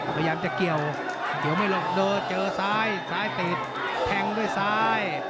พยายามจะเกี่ยวเกี่ยวไม่หลบเดินเจอซ้ายซ้ายติดแทงด้วยซ้าย